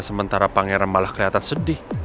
sementara pangeran malah kelihatan sedih